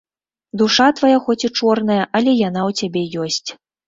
Душа твая хоць і чорная, але яна ў цябе ёсць.